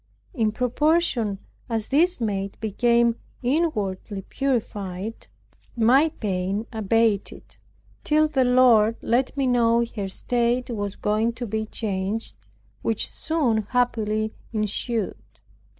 In proportion as this maid became inwardly purified, my pain abated, till the Lord let me know her state was going to be changed, which soon happily ensued.